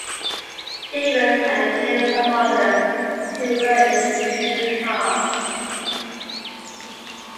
Davis and the names of others who were in the two cars.